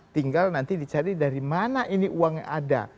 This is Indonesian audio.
tinggal nanti dicari dari mana ini uangnya ada